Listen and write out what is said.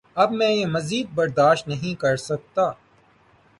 اب میں یہ مزید برداشت نہیں کرسکتا